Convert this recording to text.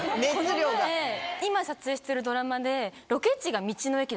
この前今撮影してるドラマで。